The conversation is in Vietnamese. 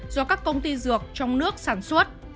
do các công ty dược trong nước sản xuất